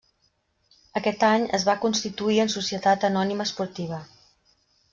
Aquest any es va constituir en Societat Anònima Esportiva.